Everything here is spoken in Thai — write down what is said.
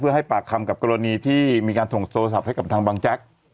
ให้ปากคำกับกรณีที่มีการส่งโทรศัพท์ให้กับทางบังแจ๊ก